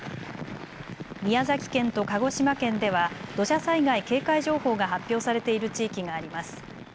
宮崎県と鹿児島県では土砂災害警戒情報が発表されている地域があります。